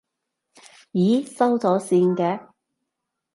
咦，收咗線嘅？